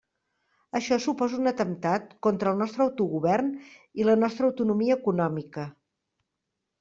Això suposa un atemptat contra el nostre autogovern i la nostra autonomia econòmica.